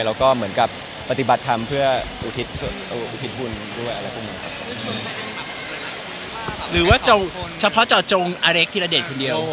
และก็เหมือนกับปฏิบัติทำเพื่ออุธิภูมิด้วย